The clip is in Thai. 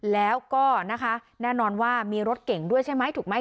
แล้วก็นะคะแน่นอนว่ามีรถเก่งด้วยใช่ไหมถูกไหม